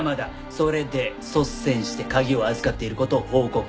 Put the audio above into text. それで率先して鍵を預かっている事を報告した。